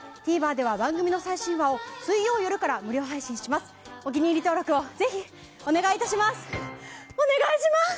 ＴＶｅｒでは番組の最新話を水曜夜から無料配信します。